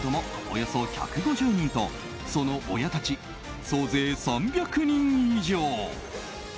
およそ１５０人とその親たち、総勢３００人以上。